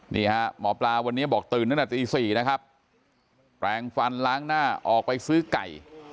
หมอปลาวันนี้บอกตื่นตั้งแต่ตี๔นะครับแปลงฟันล้างหน้าออกไปซื้อไก่